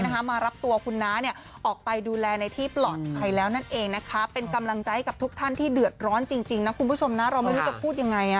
มารับตัวคุณน้าเนี่ยออกไปดูแลในที่ปลอดภัยแล้วนั่นเองนะคะเป็นกำลังใจกับทุกท่านที่เดือดร้อนจริงนะคุณผู้ชมนะเราไม่รู้จะพูดยังไง